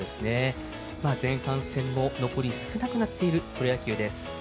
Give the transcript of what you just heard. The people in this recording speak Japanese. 前半戦も残り少なくなっているプロ野球です。